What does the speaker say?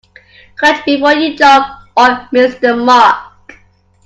Crouch before you jump or miss the mark.